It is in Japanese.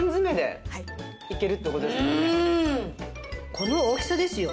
この大きさですよ。